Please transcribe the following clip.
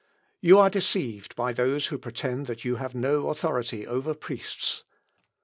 You are deceived by those who pretend that you have no authority over priests.